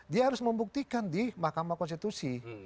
dia harus membuktikan di mahkamah konstitusi